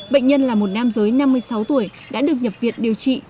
bệnh nhân là một nam giới năm mươi sáu tuổi đã được nhập viện điều trị